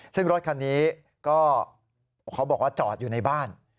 ซึ่งรถคันนี้ก็เขาบอกว่าจอดอยู่ในบ้าน